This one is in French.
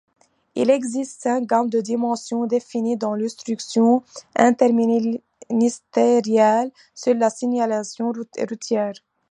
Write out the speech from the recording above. Il existe cinq gammes de dimensions définies dans l’instruction interministérielle sur la signalisation routière.